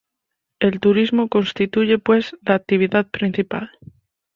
El turismo constituye pues la actividad principal.